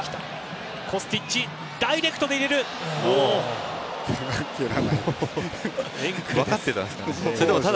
コスティッチダイレクトで入れた。